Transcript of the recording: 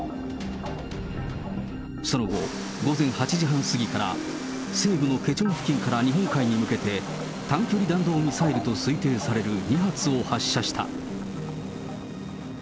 その後、午前８時半過ぎから西部のケチョン付近から日本海に向けて、短距離弾道ミサイルと推定される２発を発射した。